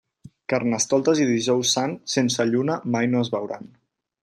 Carnestoltes i Dijous Sant sense lluna mai no es veuran.